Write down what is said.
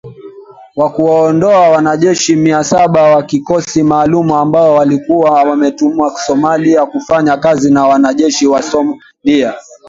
Wa kuwaondoa wanajeshi mia saba wa kikosi maalum ambao walikuwa wametumwa Somalia kufanya kazi na wanajeshi wa Somalia.